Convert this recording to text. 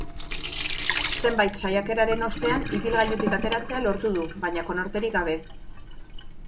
Zenbait saiakeraren ostean ibilgailutik ateratzea lortu du, baina konorterik gabe.